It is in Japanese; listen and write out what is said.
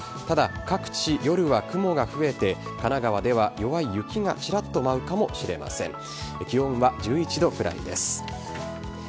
ただ、各地夜は雲が増えて神奈川では弱い雪がチラっと舞うかもしれません。